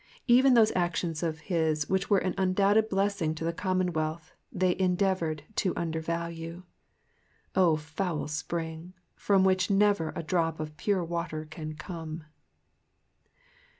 Even those actions of his which were an undoubted blessing to the common wealth, they endeavoured to undervalue. Oh, foul spring, from which never a drop of pure water can come